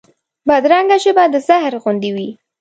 بدرنګه ژبه د زهر غوندې وي